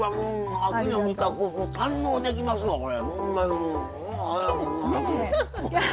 秋の味覚堪能できますわ、これ。